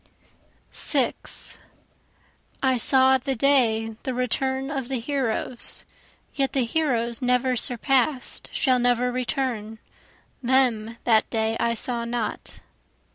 6 I saw the day the return of the heroes, (Yet the heroes never surpass'd shall never return, Them that day I saw not.)